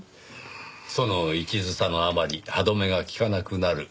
その一途さのあまり歯止めが利かなくなる。